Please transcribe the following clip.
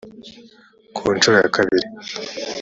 ku nshuro ya kabiri